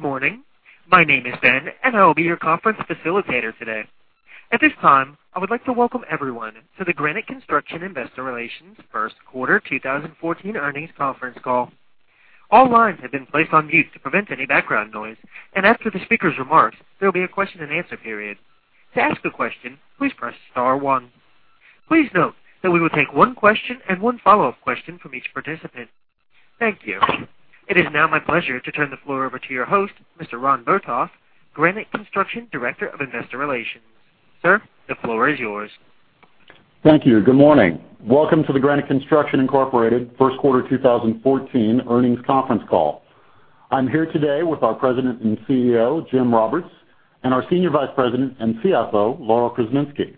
Good morning. My name is Ben, and I will be your conference facilitator today. At this time, I would like to welcome everyone to the Granite Construction Investor Relations First Quarter 2014 Earnings Conference Call. All lines have been placed on mute to prevent any background noise, and after the speaker's remarks, there will be a question-and-answer period. To ask a question, please press *1. Please note that we will take one question and one follow-up question from each participant. Thank you. It is now my pleasure to turn the floor over to your host, Mr. Ron Botoff, Granite Construction Director of Investor Relations. Sir, the floor is yours. Thank you. Good morning. Welcome to the Granite Construction Incorporated First Quarter 2014 Earnings Conference Call. I'm here today with our President and CEO, Jim Roberts, and our Senior Vice President and CFO, Laurel Krzeminski.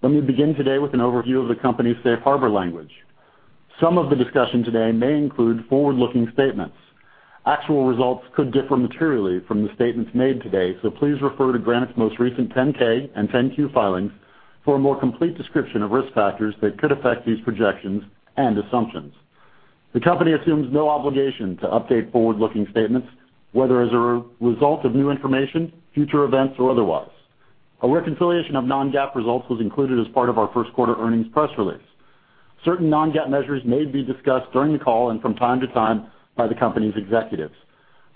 Let me begin today with an overview of the company's safe harbor language. Some of the discussion today may include forward-looking statements. Actual results could differ materially from the statements made today, so please refer to Granite's most recent 10-K and 10-Q filings for a more complete description of risk factors that could affect these projections and assumptions. The company assumes no obligation to update forward-looking statements, whether as a result of new information, future events, or otherwise. A reconciliation of non-GAAP results was included as part of our first quarter earnings press release. Certain non-GAAP measures may be discussed during the call and from time to time by the company's executives.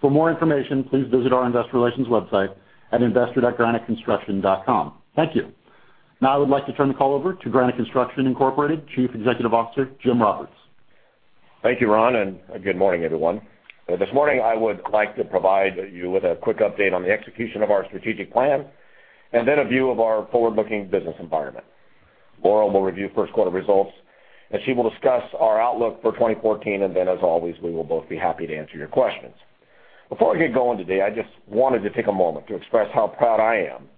For more information, please visit our investor relations website at investor.graniteconstruction.com. Thank you. Now I would like to turn the call over to Granite Construction Incorporated Chief Executive Officer, Jim Roberts. Thank you, Ron, and good morning, everyone. This morning, I would like to provide you with a quick update on the execution of our strategic plan and then a view of our forward-looking business environment. Laurel will review first quarter results, and she will discuss our outlook for 2014, and then, as always, we will both be happy to answer your questions. Before I get going today, I just wanted to take a moment to express how proud I am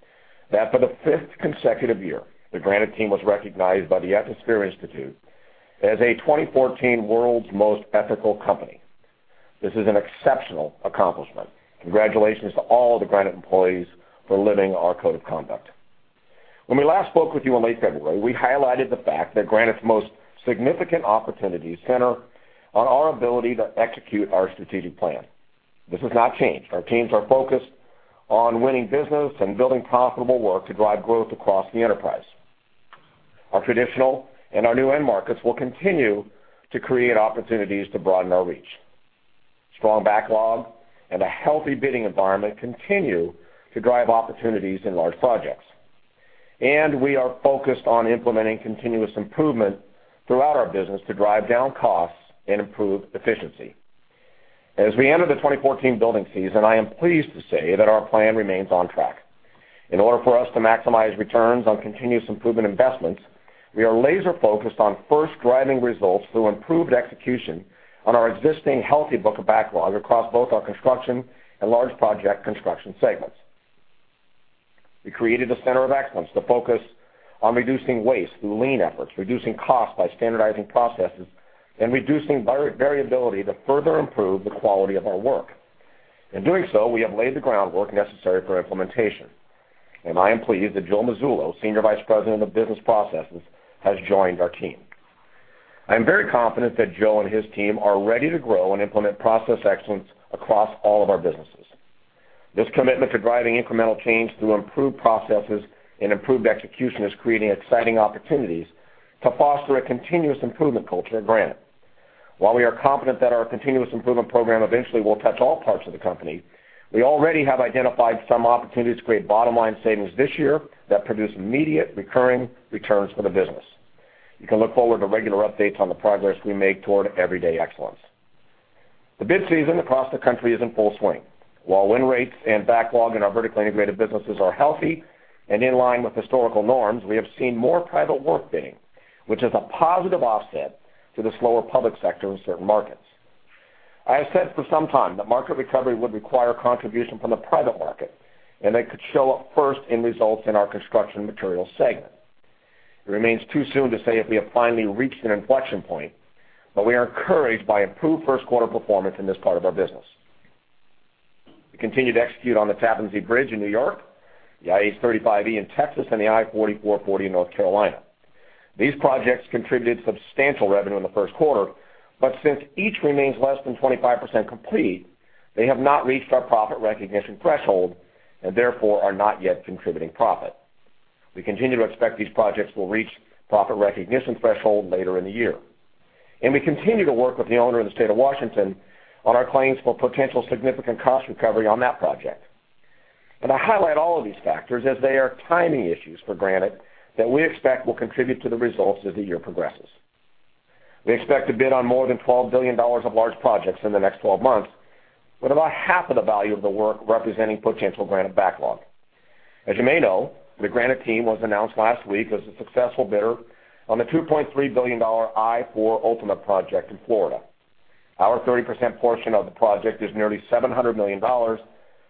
that for the fifth consecutive year, the Granite team was recognized by the Ethisphere Institute as a 2014 World's Most Ethical Company. This is an exceptional accomplishment. Congratulations to all the Granite employees for living our code of conduct. When we last spoke with you in late February, we highlighted the fact that Granite's most significant opportunities center on our ability to execute our strategic plan. This has not changed. Our teams are focused on winning business and building profitable work to drive growth across the enterprise. Our traditional and our new end markets will continue to create opportunities to broaden our reach. Strong backlog and a healthy bidding environment continue to drive opportunities in large projects. We are focused on implementing continuous improvement throughout our business to drive down costs and improve efficiency. As we enter the 2014 building season, I am pleased to say that our plan remains on track. In order for us to maximize returns on continuous improvement investments, we are laser-focused on first driving results through improved execution on our existing healthy book of backlog across both our construction and large project construction segments. We created a center of excellence to focus on reducing waste through lean efforts, reducing costs by standardizing processes, and reducing variability to further improve the quality of our work. In doing so, we have laid the groundwork necessary for implementation. I am pleased that Joe Mazzillo, Senior Vice President of Business Processes, has joined our team. I am very confident that Joe and his team are ready to grow and implement process excellence across all of our businesses. This commitment to driving incremental change through improved processes and improved execution is creating exciting opportunities to foster a continuous improvement culture at Granite. While we are confident that our continuous improvement program eventually will touch all parts of the company, we already have identified some opportunities to create bottom-line savings this year that produce immediate recurring returns for the business. You can look forward to regular updates on the progress we make toward everyday excellence. The bid season across the country is in full swing. While win rates and backlog in our vertically integrated businesses are healthy and in line with historical norms, we have seen more private work bidding, which is a positive offset to the slower public sector in certain markets. I have said for some time that market recovery would require contribution from the private market, and it could show up first in results in our construction materials segment. It remains too soon to say if we have finally reached an inflection point, but we are encouraged by improved first quarter performance in this part of our business. We continued to execute on the Tappan Zee Bridge in New York, the I-35E in Texas, and the I-40/I-440 in North Carolina. These projects contributed substantial revenue in the first quarter, but since each remains less than 25% complete, they have not reached our profit recognition threshold and therefore are not yet contributing profit. We continue to expect these projects will reach profit recognition threshold later in the year. We continue to work with the owner in the state of Washington on our claims for potential significant cost recovery on that project. I highlight all of these factors as they are timing issues for Granite that we expect will contribute to the results as the year progresses. We expect to bid on more than $12 billion of large projects in the next 12 months, with about half of the value of the work representing potential Granite backlog. As you may know, the Granite team was announced last week as a successful bidder on the $2.3 billion I-4 Ultimate project in Florida. Our 30% portion of the project is nearly $700 million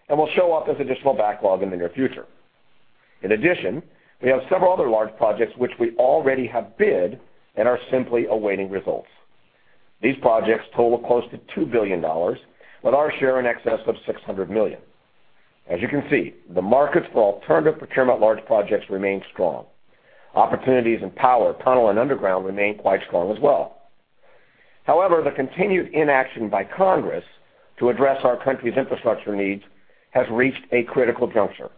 and will show up as additional backlog in the near future. In addition, we have several other large projects which we already have bid and are simply awaiting results. These projects total close to $2 billion, with our share in excess of $600 million. As you can see, the markets for alternative procurement large projects remain strong. Opportunities in power, tunnel, and underground remain quite strong as well. However, the continued inaction by Congress to address our country's infrastructure needs has reached a critical juncture.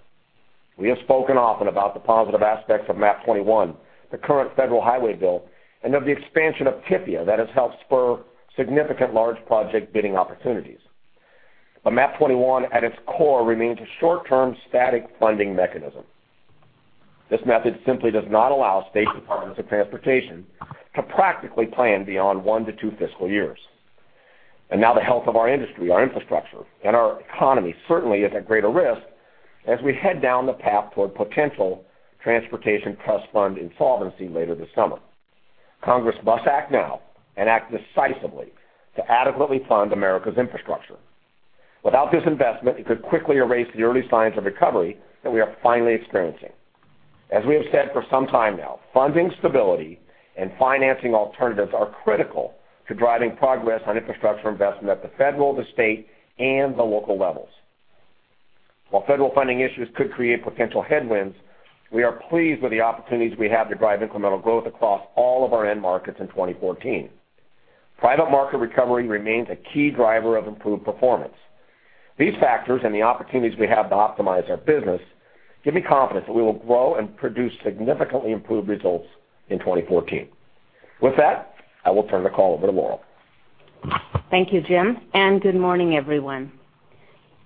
We have spoken often about the positive aspects of MAP-21, the current federal highway bill, and of the expansion of TIFIA that has helped spur significant large project bidding opportunities. But MAP-21, at its core, remains a short-term static funding mechanism. This method simply does not allow state departments of transportation to practically plan beyond one to two fiscal years. And now the health of our industry, our infrastructure, and our economy certainly is at greater risk as we head down the path toward potential transportation trust fund insolvency later this summer. Congress must act now and act decisively to adequately fund America's infrastructure. Without this investment, it could quickly erase the early signs of recovery that we are finally experiencing. As we have said for some time now, funding stability and financing alternatives are critical to driving progress on infrastructure investment at the federal, the state, and the local levels. While federal funding issues could create potential headwinds, we are pleased with the opportunities we have to drive incremental growth across all of our end markets in 2014. Private market recovery remains a key driver of improved performance. These factors and the opportunities we have to optimize our business give me confidence that we will grow and produce significantly improved results in 2014. With that, I will turn the call over to Laurel. Thank you, Jim. Good morning, everyone.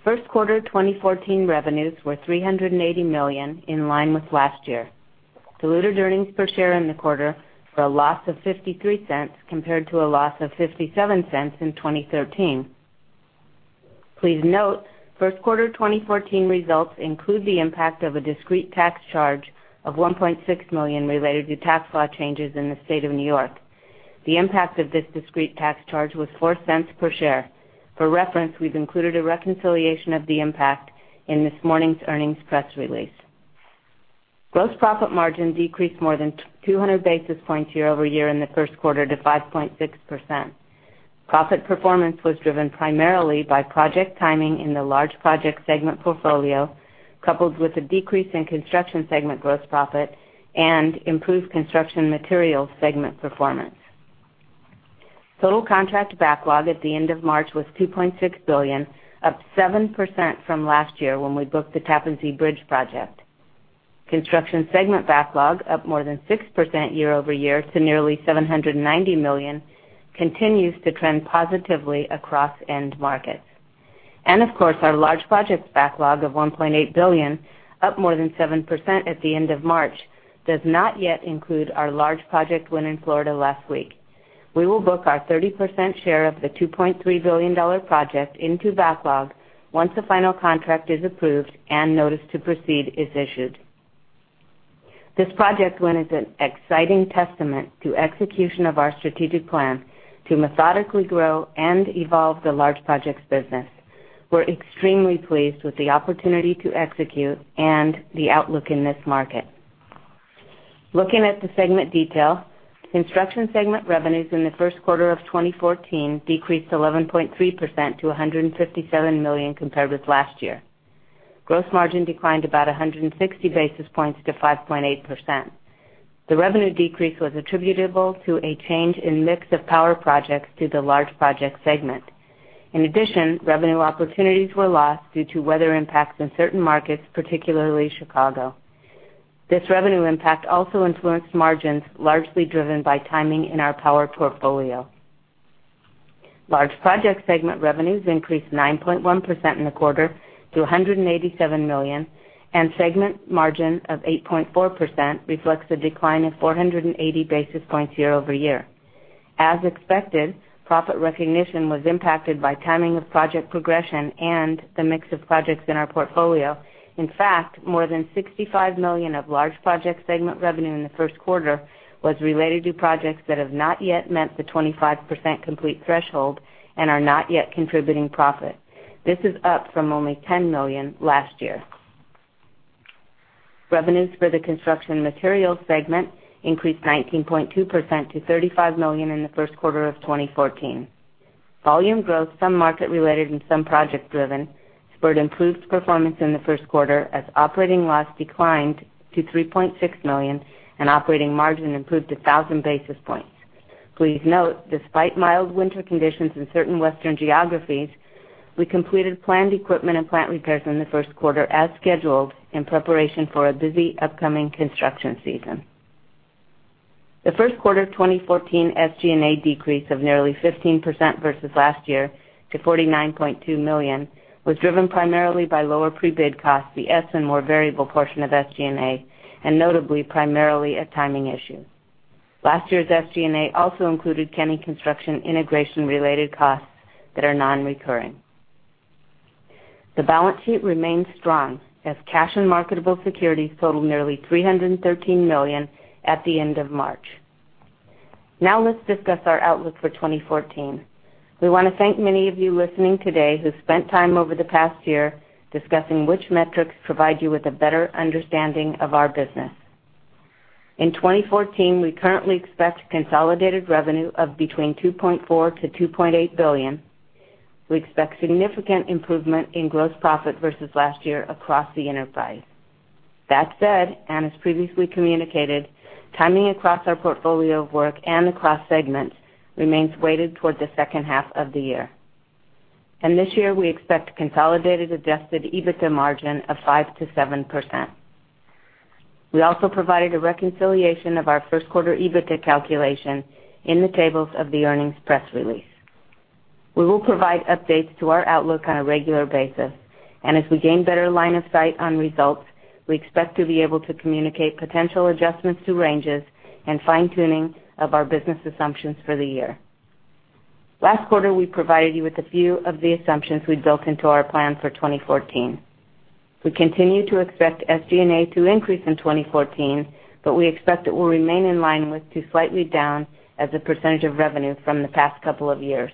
First quarter 2014 revenues were $380 million, in line with last year. Diluted earnings per share in the quarter were a loss of $0.53 compared to a loss of $0.57 in 2013. Please note, first quarter 2014 results include the impact of a discrete tax charge of $1.6 million related to tax law changes in the state of New York. The impact of this discrete tax charge was $0.04 per share. For reference, we've included a reconciliation of the impact in this morning's earnings press release. Gross profit margin decreased more than 200 basis points year-over-year in the first quarter to 5.6%. Profit performance was driven primarily by project timing in the large project segment portfolio, coupled with a decrease in construction segment gross profit and improved construction materials segment performance. Total contract backlog at the end of March was $2.6 billion, up 7% from last year when we booked the Tappan Zee Bridge project. Construction segment backlog, up more than 6% year-over-year to nearly $790 million, continues to trend positively across end markets. Of course, our large project backlog of $1.8 billion, up more than 7% at the end of March, does not yet include our large project win in Florida last week. We will book our 30% share of the $2.3 billion project into backlog once the final contract is approved and notice to proceed is issued. This project win is an exciting testament to execution of our strategic plan to methodically grow and evolve the large projects business. We're extremely pleased with the opportunity to execute and the outlook in this market. Looking at the segment detail, construction segment revenues in the first quarter of 2014 decreased 11.3% to $157 million compared with last year. Gross margin declined about 160 basis points to 5.8%. The revenue decrease was attributable to a change in mix of power projects to the large project segment. In addition, revenue opportunities were lost due to weather impacts in certain markets, particularly Chicago. This revenue impact also influenced margins, largely driven by timing in our power portfolio. Large project segment revenues increased 9.1% in the quarter to $187 million, and segment margin of 8.4% reflects a decline of 480 basis points year-over-year. As expected, profit recognition was impacted by timing of project progression and the mix of projects in our portfolio. In fact, more than $65 million of large project segment revenue in the first quarter was related to projects that have not yet met the 25% complete threshold and are not yet contributing profit. This is up from only $10 million last year. Revenues for the construction materials segment increased 19.2% to $35 million in the first quarter of 2014. Volume growth, some market-related and some project-driven, spurred improved performance in the first quarter as operating loss declined to $3.6 million and operating margin improved to 1,000 basis points. Please note, despite mild winter conditions in certain western geographies, we completed planned equipment and plant repairs in the first quarter as scheduled in preparation for a busy upcoming construction season. The first quarter 2014 SG&A decrease of nearly 15% versus last year to $49.2 million was driven primarily by lower pre-bid costs, the S and more variable portion of SG&A, and notably primarily a timing issue. Last year's SG&A also included Kenny Construction integration-related costs that are non-recurring. The balance sheet remains strong as cash and marketable securities totaled nearly $313 million at the end of March. Now let's discuss our outlook for 2014. We want to thank many of you listening today who spent time over the past year discussing which metrics provide you with a better understanding of our business. In 2014, we currently expect consolidated revenue of between $2.4-$2.8 billion. We expect significant improvement in gross profit versus last year across the enterprise. That said, and as previously communicated, timing across our portfolio of work and across segments remains weighted toward the second half of the year. This year, we expect consolidated adjusted EBITDA margin of 5%-7%. We also provided a reconciliation of our first quarter EBITDA calculation in the tables of the earnings press release. We will provide updates to our outlook on a regular basis. As we gain better line of sight on results, we expect to be able to communicate potential adjustments to ranges and fine-tuning of our business assumptions for the year. Last quarter, we provided you with a few of the assumptions we built into our plan for 2014. We continue to expect SG&A to increase in 2014, but we expect it will remain in line with to slightly down as a percentage of revenue from the past couple of years.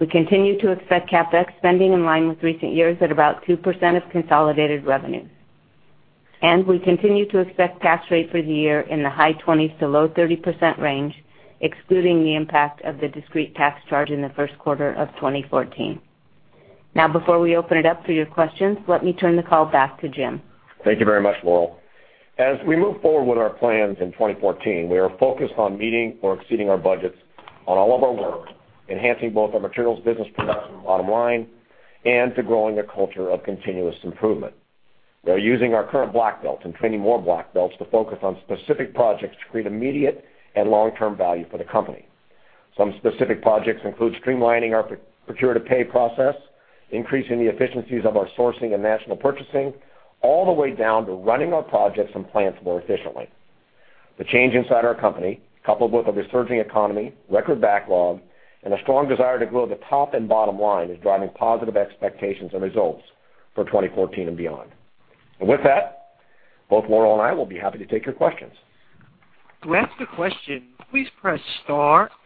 We continue to expect CapEx spending in line with recent years at about 2% of consolidated revenue. We continue to expect tax rate for the year in the high 20s%-low 30% range, excluding the impact of the discrete tax charge in the first quarter of 2014. Now, before we open it up for your questions, let me turn the call back to Jim. Thank you very much, Laurel. As we move forward with our plans in 2014, we are focused on meeting or exceeding our budgets on all of our work, enhancing both our materials business production bottom line and to growing a culture of continuous improvement. We are using our current black belt and training more black belts to focus on specific projects to create immediate and long-term value for the company. Some specific projects include streamlining our procure-to-pay process, increasing the efficiencies of our sourcing and national purchasing, all the way down to running our projects and plants more efficiently. The change inside our company, coupled with a resurging economy, record backlog, and a strong desire to grow the top and bottom line, is driving positive expectations and results for 2014 and beyond. With that, both Laurel and I will be happy to take your questions. To ask a question, please press *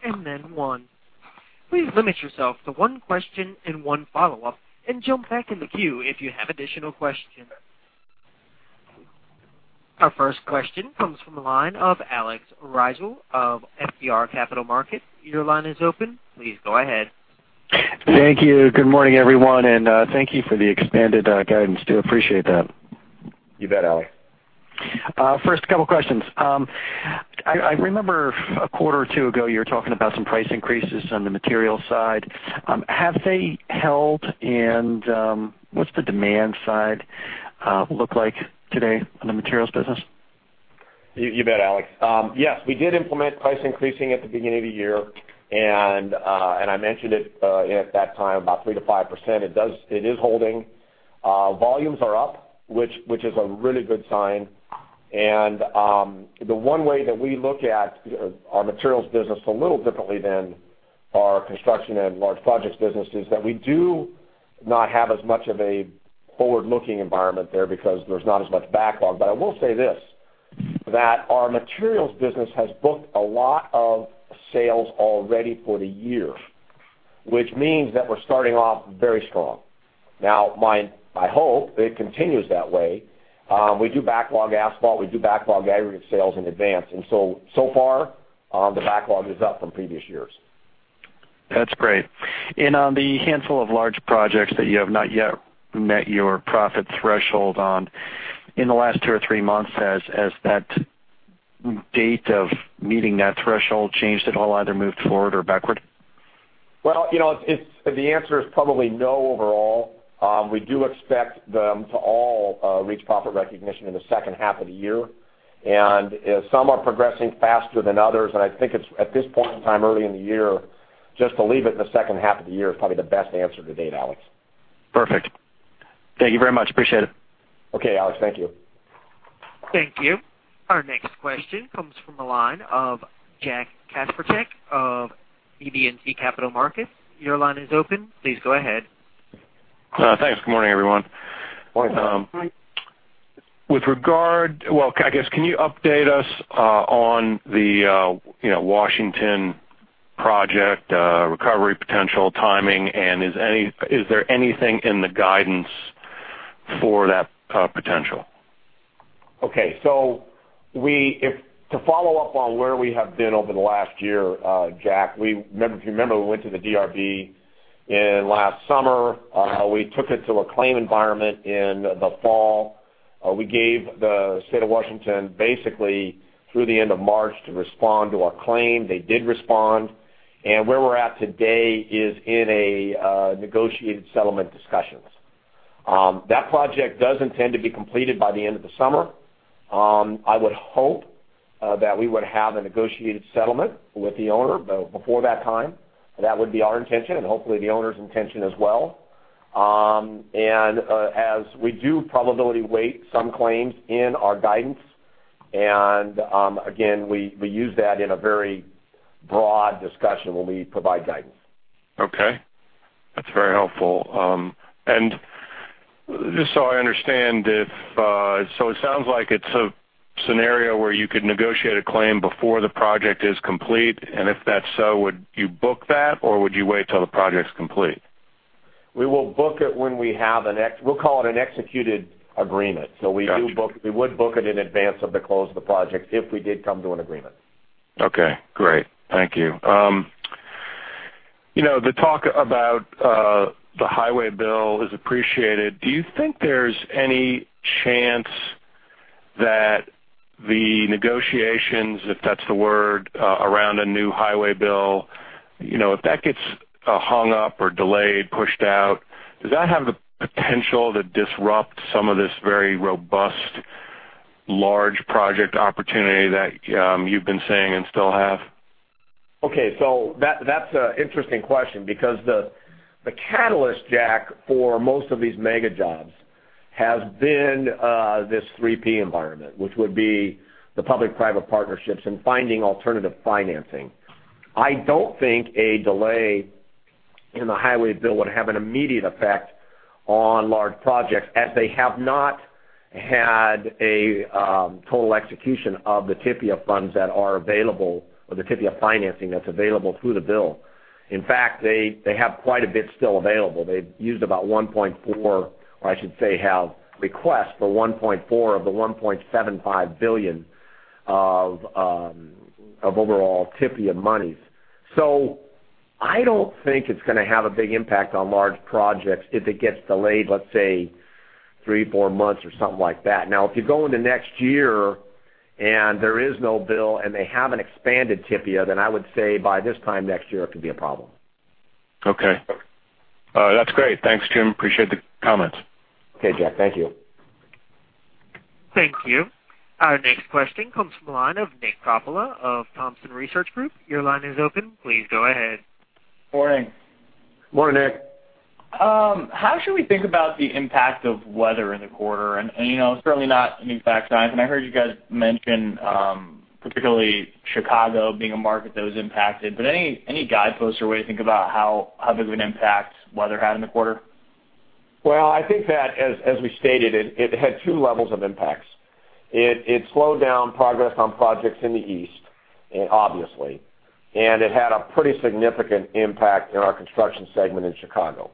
and then 1. Please limit yourself to one question and one follow-up and jump back in the queue if you have additional questions. Our first question comes from the line of Alex Ritzer of FBR Capital Markets. Your line is open. Please go ahead. Thank you. Good morning, everyone. Thank you for the expanded guidance. Do appreciate that. You bet, Alex. First couple of questions. I remember a quarter or two ago, you were talking about some price increases on the materials side. Have they held? And what's the demand side look like today on the materials business? You bet, Alex. Yes, we did implement price increasing at the beginning of the year. I mentioned it at that time, about 3%-5%. It is holding. Volumes are up, which is a really good sign. The one way that we look at our materials business a little differently than our construction and large projects business is that we do not have as much of a forward-looking environment there because there's not as much backlog. But I will say this, that our materials business has booked a lot of sales already for the year, which means that we're starting off very strong. Now, I hope it continues that way. We do backlog asphalt. We do backlog aggregate sales in advance. And so far, the backlog is up from previous years. That's great. On the handful of large projects that you have not yet met your profit threshold on, in the last 2 or 3 months, has that date of meeting that threshold changed at all, either moved forward or backward? Well, the answer is probably no overall. We do expect them to all reach profit recognition in the second half of the year. Some are progressing faster than others. I think at this point in time, early in the year, just to leave it in the second half of the year is probably the best answer to date, Alex. Perfect. Thank you very much. Appreciate it. Okay, Alex. Thank you. Thank you. Our next question comes from the line of Jack Kasprzak of BB&T Capital Markets. Your line is open. Please go ahead. Thanks. Good morning, everyone. Morning, Tom. With regard, well, I guess, can you update us on the Washington project recovery potential timing? And is there anything in the guidance for that potential? Okay. So to follow up on where we have been over the last year, Jack, if you remember, we went to the DRB last summer. We took it to a claim environment in the fall. We gave the state of Washington, basically through the end of March, to respond to our claim. They did respond. And where we're at today is in a negotiated settlement discussion. That project does intend to be completed by the end of the summer. I would hope that we would have a negotiated settlement with the owner before that time. That would be our intention and hopefully the owner's intention as well. And as we do probability weight some claims in our guidance. And again, we use that in a very broad discussion when we provide guidance. Okay. That's very helpful. And just so I understand, so it sounds like it's a scenario where you could negotiate a claim before the project is complete. And if that's so, would you book that or would you wait till the project's complete? We will book it when we have, and we'll call it, an executed agreement. So we would book it in advance of the close of the project if we did come to an agreement. Okay. Great. Thank you. The talk about the highway bill is appreciated. Do you think there's any chance that the negotiations, if that's the word, around a new highway bill, if that gets hung up or delayed, pushed out, does that have the potential to disrupt some of this very robust large project opportunity that you've been saying and still have? Okay. So, that's an interesting question because the catalyst, Jack, for most of these mega jobs has been this P3 environment, which would be the public-private partnerships and finding alternative financing. I don't think a delay in the highway bill would have an immediate effect on large projects as they have not had a total execution of the TIFIA funds that are available or the TIFIA financing that's available through the bill. In fact, they have quite a bit still available. They've used about $1.4 billion, or I should say have requests for $1.4 billion of the $1.75 billion of overall TIFIA monies. So, I don't think it's going to have a big impact on large projects if it gets delayed, let's say, three, four months or something like that. Now, if you go into next year and there is no bill and they have an expanded TIFIA, then I would say by this time next year, it could be a problem. Okay. That's great. Thanks, Jim. Appreciate the comments. Okay, Jack. Thank you. Thank you. Our next question comes from the line of Nick Coppola of Thompson Research Group. Your line is open. Please go ahead. Morning. Morning, Nick. How should we think about the impact of weather in the quarter? And it's certainly not an exact science. And I heard you guys mention particularly Chicago being a market that was impacted. But any guideposts or way to think about how big of an impact weather had in the quarter? Well, I think that as we stated, it had two levels of impacts. It slowed down progress on projects in the east, obviously. And it had a pretty significant impact in our construction segment in Chicago.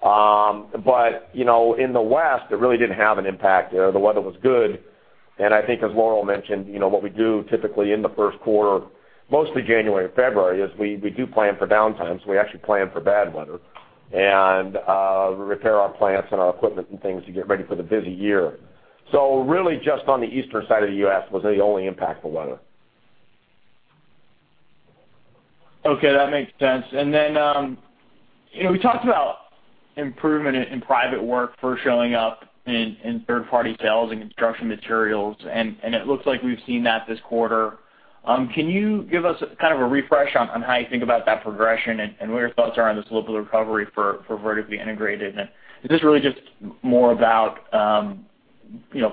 But in the west, it really didn't have an impact. The weather was good. And I think, as Laurel mentioned, what we do typically in the first quarter, mostly January and February, is we do plan for downtime. So, we actually plan for bad weather and repair our plants and our equipment and things to get ready for the busy year. So really, just on the eastern side of the U.S. was the only impact for weather. Okay. That makes sense. And then we talked about improvement in private work for showing up in third-party sales and construction materials. And it looks like we've seen that this quarter. Can you give us kind of a refresh on how you think about that progression and what your thoughts are on this local recovery for vertically integrated? And is this really just more about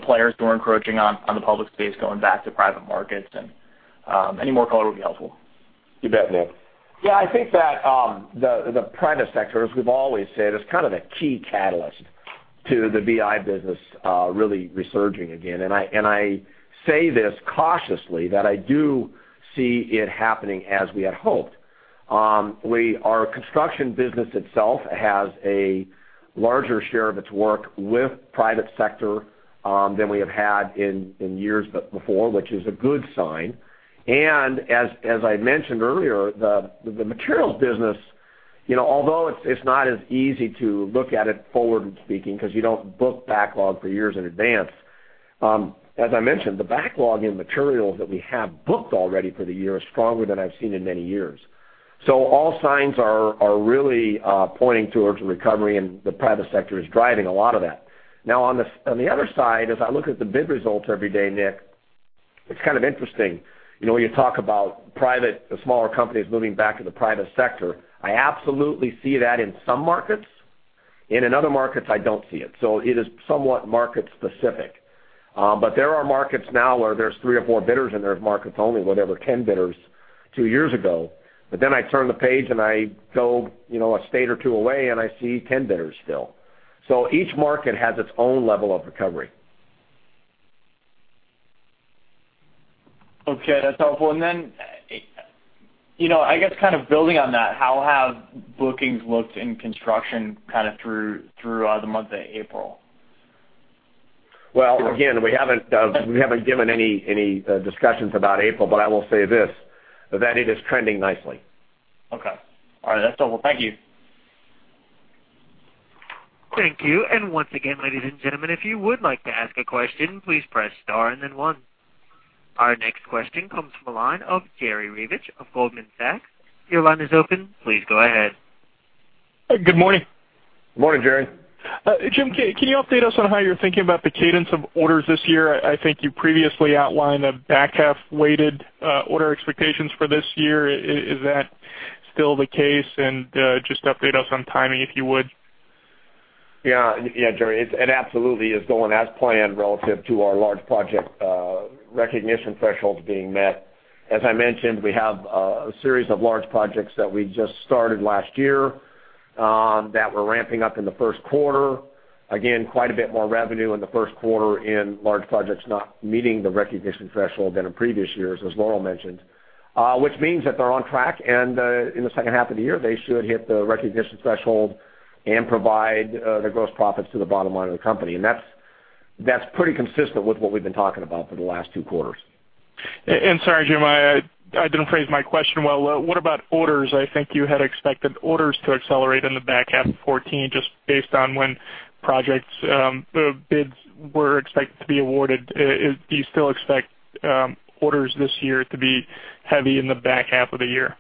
players who are encroaching on the public space going back to private markets? And any more color would be helpful. You bet, Nick. Yeah. I think that the private sector, as we've always said, is kind of a key catalyst to the bid business really resurging again. And I say this cautiously that I do see it happening as we had hoped. Our construction business itself has a larger share of its work with private sector than we have had in years before, which is a good sign. And as I mentioned earlier, the materials business, although it's not as easy to look at it forward-speaking because you don't book backlog for years in advance, as I mentioned, the backlog in materials that we have booked already for the year is stronger than I've seen in many years. So, all signs are really pointing towards a recovery, and the private sector is driving a lot of that. Now, on the other side, as I look at the bid results every day, Nick, it's kind of interesting. You talk about smaller companies moving back to the private sector. I absolutely see that in some markets. In other markets, I don't see it. So, it is somewhat market-specific. But there are markets now where there's three or four bidders, and there's markets only, whatever, 10 bidders two years ago. But then I turn the page and I go a state or two away, and I see 10 bidders still. So each market has its own level of recovery. Okay. That's helpful. And then, I guess, kind of building on that, how have bookings looked in construction kind of through the month of April? Well, again, we haven't given any discussions about April, but I will say this, that it is trending nicely. Okay. All right. That's helpful. Thank you. Thank you. And once again, ladies and gentlemen, if you would like to ask a question, please press star and then one. Our next question comes from the line of Jerry Revich of Goldman Sachs. Your line is open. Please go ahead. Good morning. Good morning, Jerry. Jim, can you update us on how you're thinking about the cadence of orders this year? I think you previously outlined a back half-weighted order expectations for this year. Is that still the case? And just update us on timing, if you would. Yeah. Yeah, Jerry. It absolutely is going as planned relative to our large project recognition thresholds being met. As I mentioned, we have a series of large projects that we just started last year that we're ramping up in the first quarter. Again, quite a bit more revenue in the first quarter in large projects not meeting the recognition threshold than in previous years, as Laurel mentioned, which means that they're on track. And in the second half of the year, they should hit the recognition threshold and provide the gross profits to the bottom line of the company. And that's pretty consistent with what we've been talking about for the last two quarters. And sorry, Jim. I didn't phrase my question well. What about orders? I think you had expected orders to accelerate in the back half of 2014 just based on when project bids were expected to be awarded. Do you still expect orders this year to be heavy in the back half of the year?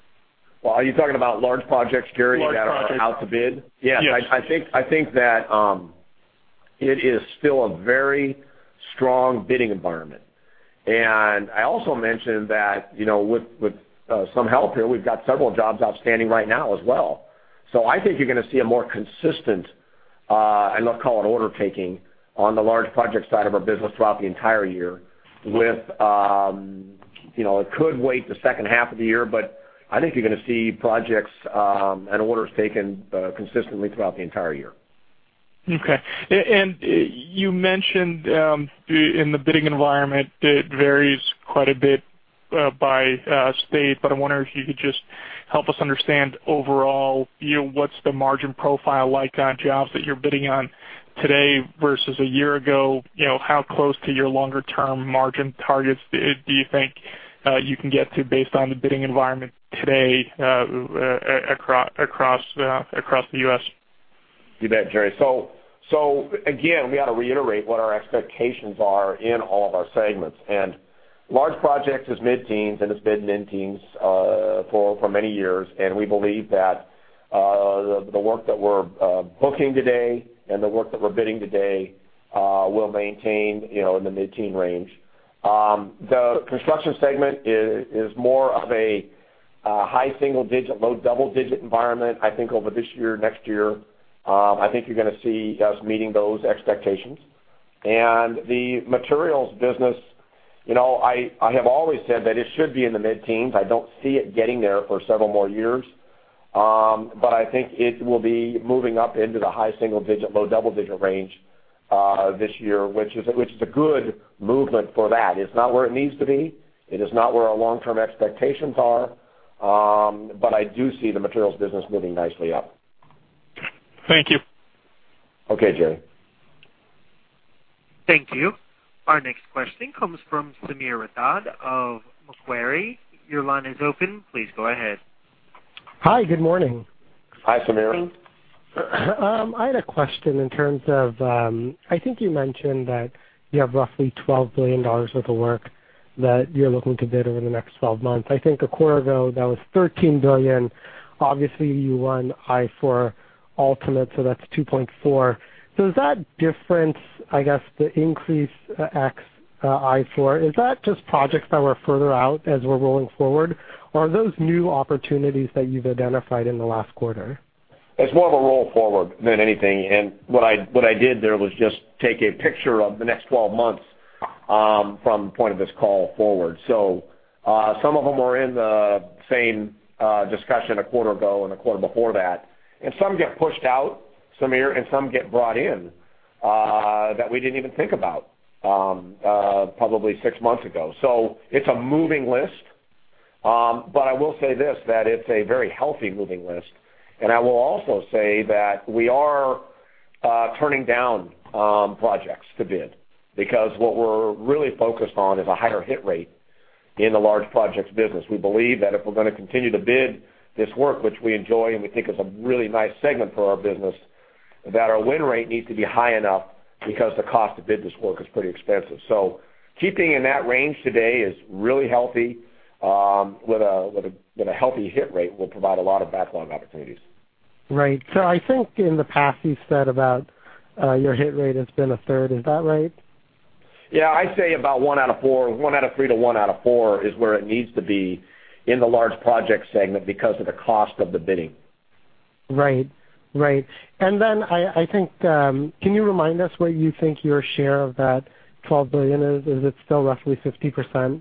Well, are you talking about large projects, Jerry, that are out to bid? Large projects. Yeah. Yeah. I think that it is still a very strong bidding environment. And I also mentioned that with some help here, we've got several jobs outstanding right now as well. So I think you're going to see a more consistent, and I'll call it order-taking, on the large project side of our business throughout the entire year, with it weighted to the second half of the year. But I think you're going to see projects and orders taken consistently throughout the entire year. Okay. You mentioned in the bidding environment, it varies quite a bit by state. But I wonder if you could just help us understand overall, what's the margin profile like on jobs that you're bidding on today versus a year ago? How close to your longer-term margin targets do you think you can get to based on the bidding environment today across the U.S.? You bet, Jerry. So again, we got to reiterate what our expectations are in all of our segments. And large projects is mid-teens and has been mid-teens for many years. And we believe that the work that we're booking today and the work that we're bidding today will maintain in the mid-teens range. The construction segment is more of a high single-digit, low double-digit environment. I think over this year, next year, I think you're going to see us meeting those expectations. And the materials business, I have always said that it should be in the mid-teens. I don't see it getting there for several more years. But I think it will be moving up into the high single-digit, low double-digit range this year, which is a good movement for that. It's not where it needs to be. It is not where our long-term expectations are. But I do see the materials business moving nicely up. Thank you. Okay, Jerry. Thank you. Our next question comes from Sameer Rathod of Macquarie. Your line is open. Please go ahead. Hi. Good morning. Hi, Sameer. I had a question in terms of I think you mentioned that you have roughly $12 billion worth of work that you're looking to bid over the next 12 months. I think a quarter ago, that was $13 billion. Obviously, you won I-4 Ultimate, so that's $2.4 billion. So, is that difference, I guess, the increase at I-4, is that just projects that were further out as we're rolling forward? Or are those new opportunities that you've identified in the last quarter? It's more of a roll forward than anything. And what I did there was just take a picture of the next 12 months from the point of this call forward. So some of them were in the same discussion a quarter ago and a quarter before that. And some get pushed out, Sameer, and some get brought in that we didn't even think about probably six months ago. So it's a moving list. But I will say this, that it's a very healthy moving list. And I will also say that we are turning down projects to bid because what we're really focused on is a higher hit rate in the large projects business. We believe that if we're going to continue to bid this work, which we enjoy and we think is a really nice segment for our business, that our win rate needs to be high enough because the cost to bid this work is pretty expensive. Keeping in that range today is really healthy. With a healthy hit rate, we'll provide a lot of backlog opportunities. Right. So I think in the past, you said about your hit rate has been a third. Is that right? Yeah. I'd say about 1 out of 4, 1 out of 3 to 1 out of 4 is where it needs to be in the large project segment because of the cost of the bidding. Right. Right. And then I think, can you remind us what you think your share of that $12 billion is? Is it still roughly 50%?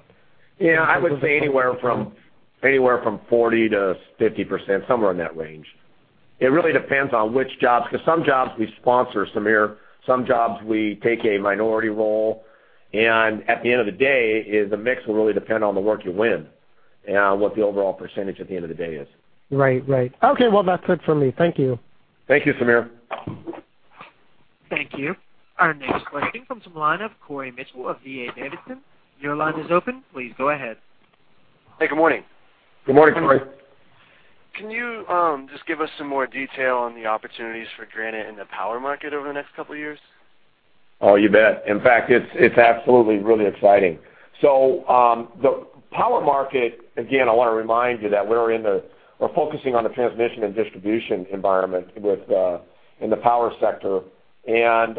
Yeah. I would say anywhere from 40%-50%, somewhere in that range. It really depends on which jobs because some jobs we sponsor, Sameer. Some jobs we take a minority role. And at the end of the day, the mix will really depend on the work you win and what the overall percentage at the end of the day is. Right. Right. Okay. Well, that's it for me. Thank you. Thank you, Sameer. Thank you. Our next question comes from the line of Cory Mitchell of D.A. Davidson. Your line is open. Please go ahead. Hey. Good morning. Good morning, Cory. Can you just give us some more detail on the opportunities for Granite in the power market over the next couple of years? Oh, you bet. In fact, it's absolutely really exciting. So the power market, again, I want to remind you that we're focusing on the transmission and distribution environment in the power sector. And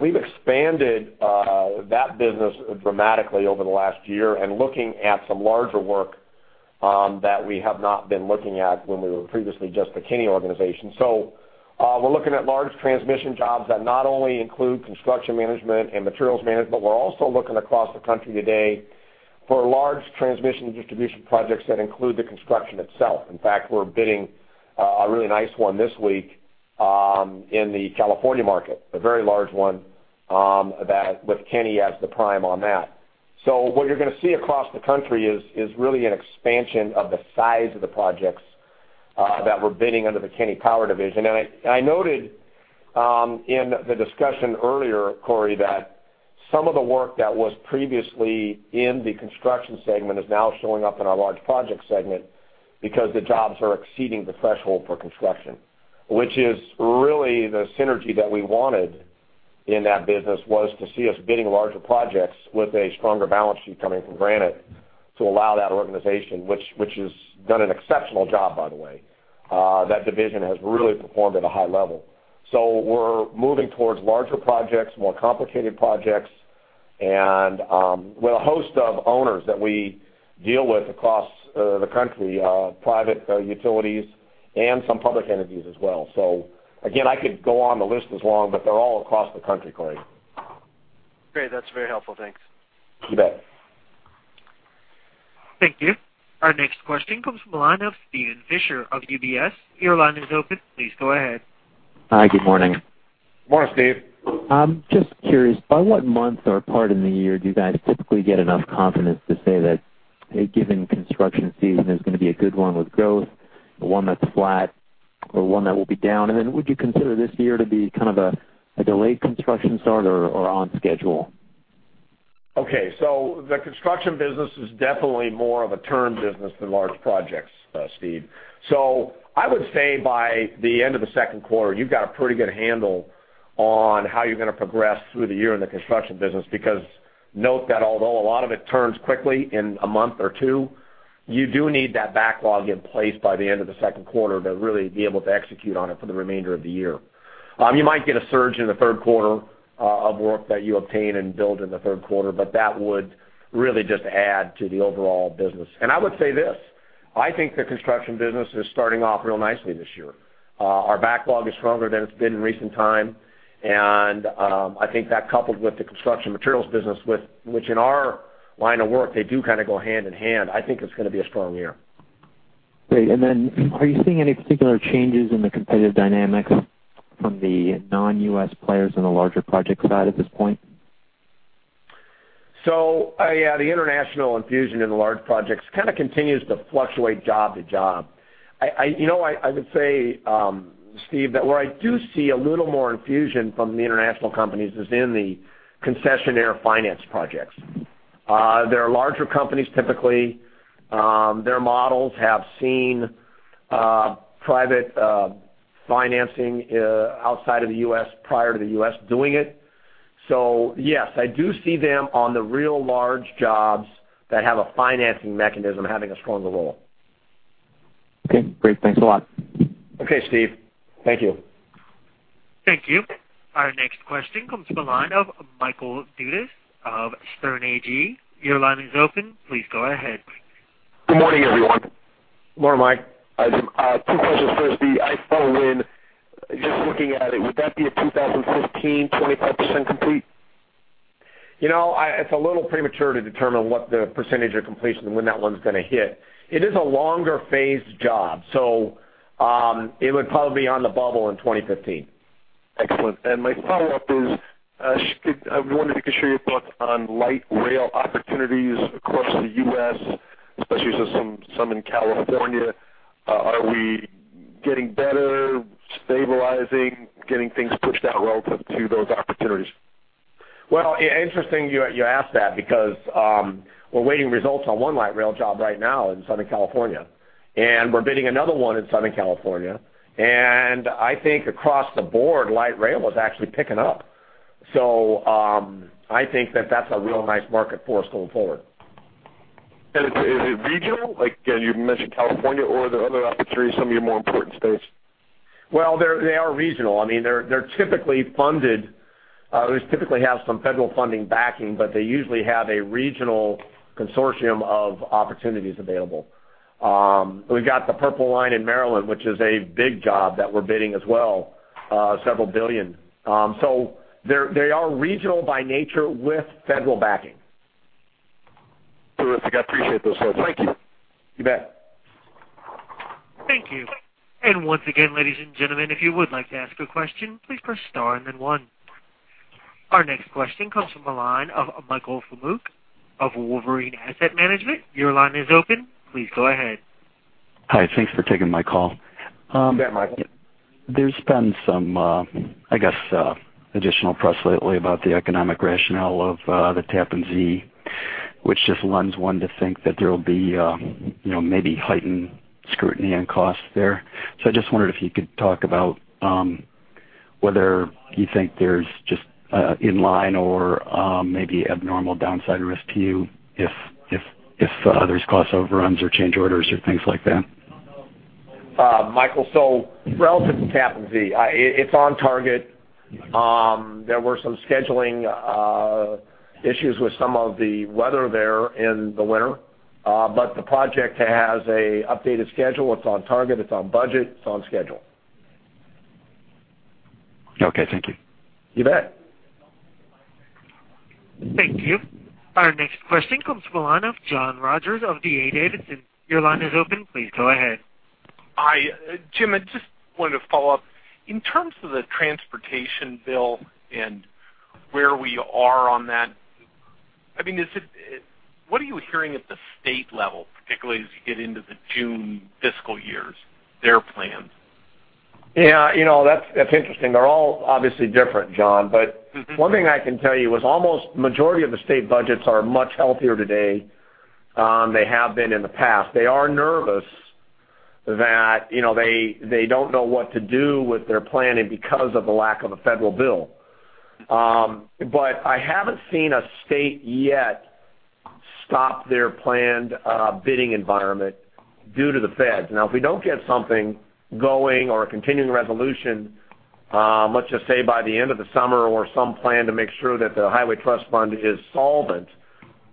we've expanded that business dramatically over the last year and looking at some larger work that we have not been looking at when we were previously just the Kenny organization. So we're looking at large transmission jobs that not only include construction management and materials management, but we're also looking across the country today for large transmission distribution projects that include the construction itself. In fact, we're bidding a really nice one this week in the California market, a very large one with Kenny as the prime on that. So what you're going to see across the country is really an expansion of the size of the projects that we're bidding under the Kenny Power Division. I noted in the discussion earlier, Cory, that some of the work that was previously in the construction segment is now showing up in our large project segment because the jobs are exceeding the threshold for construction, which is really the synergy that we wanted in that business was to see us bidding larger projects with a stronger balance sheet coming from Granite to allow that organization, which has done an exceptional job, by the way. That division has really performed at a high level. So we're moving towards larger projects, more complicated projects, and with a host of owners that we deal with across the country, private utilities, and some public entities as well. So again, I could go on the list as long, but they're all across the country, Cory. Great. That's very helpful. Thanks. You bet. Thank you. Our next question comes from the line of Steven Fisher of UBS. Your line is open. Please go ahead. Hi. Good morning. Good morning, Steve. I'm just curious, by what month or part in the year do you guys typically get enough confidence to say that a given construction season is going to be a good one with growth, one that's flat, or one that will be down? And then would you consider this year to be kind of a delayed construction start or on schedule? Okay. So the construction business is definitely more of a term business than large projects, Steve. So I would say by the end of the second quarter, you've got a pretty good handle on how you're going to progress through the year in the construction business because note that although a lot of it turns quickly in a month or two, you do need that backlog in place by the end of the second quarter to really be able to execute on it for the remainder of the year. You might get a surge in the third quarter of work that you obtain and build in the third quarter, but that would really just add to the overall business. And I would say this. I think the construction business is starting off real nicely this year. Our backlog is stronger than it's been in recent time. I think that coupled with the construction materials business, which in our line of work, they do kind of go hand in hand, I think it's going to be a strong year. Great. And then are you seeing any particular changes in the competitive dynamics from the non-U.S. players on the larger project side at this point? So yeah, the international infusion in the large projects kind of continues to fluctuate job to job. I would say, Steve, that where I do see a little more infusion from the international companies is in the concessionaire finance projects. They're larger companies typically. Their models have seen private financing outside of the U.S. prior to the U.S. doing it. So yes, I do see them on the real large jobs that have a financing mechanism having a stronger role. Okay. Great. Thanks a lot. Okay, Steve. Thank you. Thank you. Our next question comes from the line of Michael Dudas of Sterne Agee. Your line is open. Please go ahead. Good morning, everyone. Good morning, Mike. Two questions first. The I-4 win, just looking at it, would that be a 2015 25% complete? It's a little premature to determine what the percentage of completion and when that one's going to hit. It is a longer phased job. So it would probably be on the bubble in 2015. Excellent. My follow-up is, I wanted to get your thoughts on light rail opportunities across the U.S., especially some in California. Are we getting better, stabilizing, getting things pushed out relative to those opportunities? Well, interesting you ask that because we're waiting results on one light rail job right now in Southern California. And we're bidding another one in Southern California. And I think across the board, light rail is actually picking up. So I think that that's a real nice market for us going forward. Is it regional? Again, you mentioned California. Are there other opportunities, some of your more important states? Well, they are regional. I mean, they're typically funded. We typically have some federal funding backing, but they usually have a regional consortium of opportunities available. We've got the Purple Line in Maryland, which is a big job that we're bidding as well, $several billion. So they are regional by nature with federal backing. Terrific. I appreciate those thoughts. Thank you. You bet. Thank you. Once again, ladies and gentlemen, if you would like to ask a question, please press star and then one. Our next question comes from the line of Michael Feniger of Wolverine Asset Management. Your line is open. Please go ahead. Hi. Thanks for taking my call. You bet, Mike. There's been some, I guess, additional press lately about the economic rationale of the Tappan Zee, which just lends one to think that there will be maybe heightened scrutiny and costs there. So, I just wondered if you could talk about whether you think there's just in line or maybe abnormal downside risk to you if there's cost overruns or change orders or things like that. Michael, so relative to Tappan Zee, it's on target. There were some scheduling issues with some of the weather there in the winter. But the project has an updated schedule. It's on target. It's on budget. It's on schedule. Okay. Thank you. You bet. Thank you. Our next question comes from the line of John Rogers of D.A. Davidson. Your line is open. Please go ahead. Hi, Jim. I just wanted to follow up. In terms of the transportation bill and where we are on that, I mean, what are you hearing at the state level, particularly as you get into the June fiscal years, their plans? Yeah. That's interesting. They're all obviously different, John. But one thing I can tell you is almost the majority of the state budgets are much healthier today than they have been in the past. They are nervous that they don't know what to do with their planning because of the lack of a federal bill. But I haven't seen a state yet stop their planned bidding environment due to the feds. Now, if we don't get something going or a continuing resolution, let's just say by the end of the summer or some plan to make sure that the Highway Trust Fund is solvent,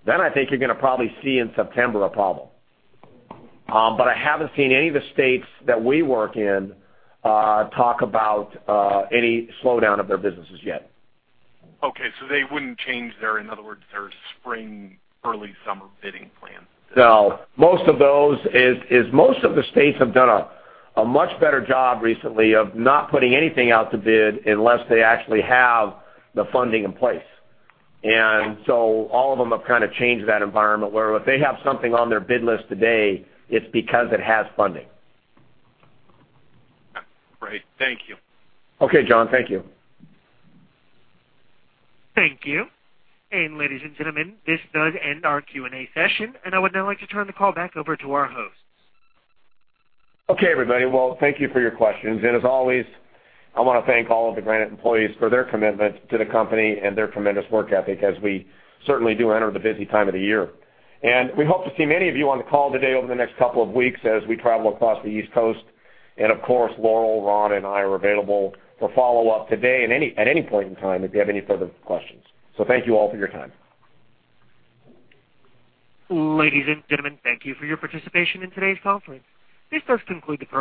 then I think you're going to probably see in September a problem. But I haven't seen any of the states that we work in talk about any slowdown of their businesses yet. Okay. So, they wouldn't change their, in other words, their spring, early summer bidding plan. No. Most of those, most of the states have done a much better job recently of not putting anything out to bid unless they actually have the funding in place. And so all of them have kind of changed that environment where if they have something on their bid list today, it's because it has funding. Great. Thank you. Okay, John. Thank you. Thank you. Ladies and gentlemen, this does end our Q&A session. I would now like to turn the call back over to our hosts. Okay, everybody. Well, thank you for your questions. And as always, I want to thank all of the Granite employees for their commitment to the company and their tremendous work ethic as we certainly do enter the busy time of the year. And we hope to see many of you on the call today over the next couple of weeks as we travel across the East Coast. And of course, Laurel, Ron, and I are available for follow-up today and at any point in time if you have any further questions. So thank you all for your time. Ladies and gentlemen, thank you for your participation in today's conference. This does conclude the.